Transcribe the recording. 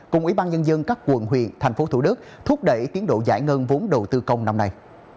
cùng ubnd các quận huyện tp thủ đức thúc đẩy tiến độ giải ngân vốn đầu tư công năm nay